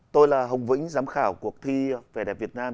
tôi là hồng vĩnh giám khảo cuộc thi về đẹp việt nam